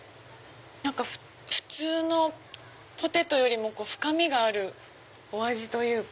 普通のポテトよりも深みがあるお味というか。